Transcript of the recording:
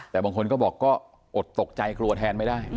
แต่บางคนก็บอกก็อดตกใจกลัวแทนไม่ได้